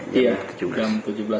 iya jam tujuh belas dua